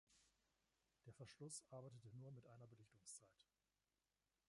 Der Verschluss arbeitete nur mit einer Belichtungszeit.